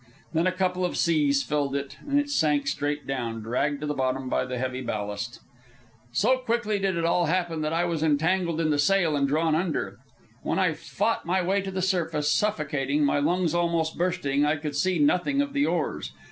Then a couple of seas filled it, and it sank straight down, dragged to bottom by the heavy ballast. So quickly did it all happen that I was entangled in the sail and drawn under. When I fought my way to the surface, suffocating, my lungs almost bursting, I could see nothing of the oars.